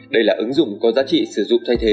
đây là ứng dụng có giá trị sử dụng thay thế